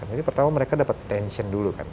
jadi pertama mereka dapat tension dulu kan